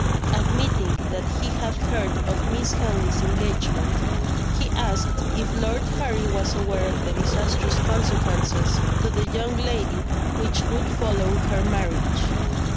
Admitting that he had heard of Miss Henley's engagement, he asked if Lord Harry was aware of the disastrous consequences to the young lady which would follow her marriage.